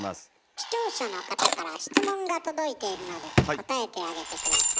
視聴者の方から質問が届いているので答えてあげて下さい。